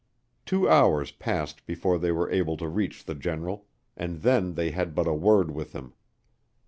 Two hours passed before they were able to reach the General, and then they had but a word with him.